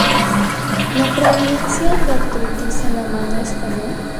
La prevalencia de artritis en la mano es común.